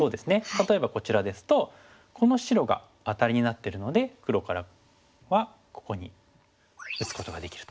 例えばこちらですとこの白がアタリになってるので黒からはここに打つことができると。